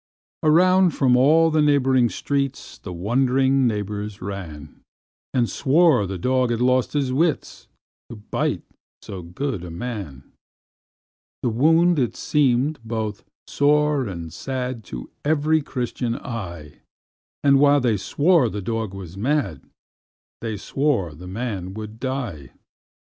Around from all the neighboring streets The wond'ring neighbors ran, And swore the dog had lost his wits, To bite so good a man. The wound it seem'd both sore and sad To every Christian eye; And while they swore the dog was mad, They swore the man would die.